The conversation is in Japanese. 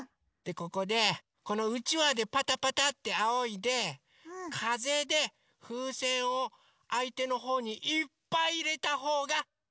ここでこのうちわでパタパタってあおいでかぜでふうせんをあいてのほうにいっぱいいれたほうがかちです！